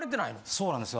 そうなんですよ